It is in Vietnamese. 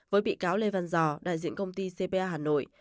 với bị cáo lê văn giò đại diện công ty cpa hà nội